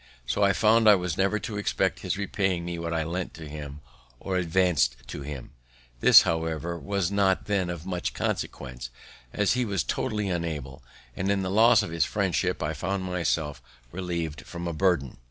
So I found I was never to expect his repaying me what I lent to him or advanc'd for him. This, however, was not then of much consequence, as he was totally unable; and in the loss of his friendship I found myself relieved from a burthen.